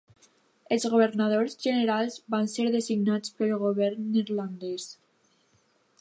Els governadors generals van ser designats pel Govern neerlandès.